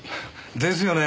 ですよね。